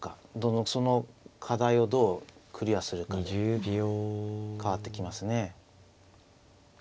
その課題をどうクリアするかで変わってきますね。